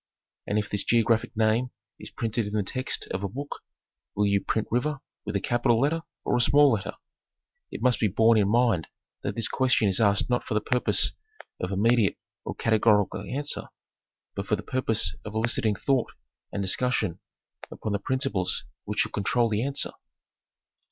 And if this geographic name is printed in the text of a book, will you print river with a capital letter or a small letter? It must be borne in mind that this question is asked not for the purpose of immediate or categorical answer, but for the purpose of eliciting thought and discussion upon the principles which should control the answer.